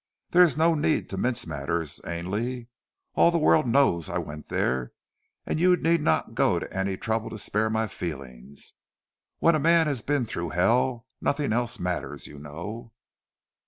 "There is no need to mince matters, Ainley. All the world knows I went there, and you need not go to any trouble to spare my feelings. When a man has been through hell nothing else matters, you know."